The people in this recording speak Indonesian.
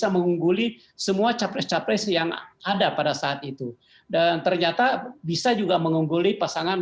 mengungguli semua capres capres yang ada pada saat itu dan ternyata bisa juga mengungguli pasangan